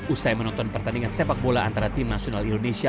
usai menonton pertandingan sepak bola antara tim nasional indonesia